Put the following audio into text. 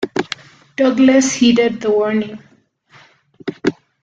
Douglas heeded the warning.